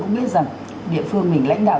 cũng biết rằng địa phương mình lãnh đạo